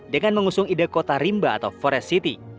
dengan mengusung ide kota rimba atau forest city